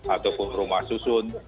ataupun rumah susun